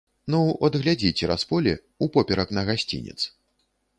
Ну, от глядзі цераз поле, упоперак на гасцінец.